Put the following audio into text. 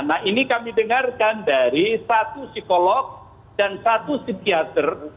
nah ini kami dengarkan dari satu psikolog dan satu psikiater